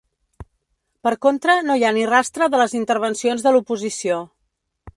Per contra, no hi ha ni rastre de les intervencions de l’oposició.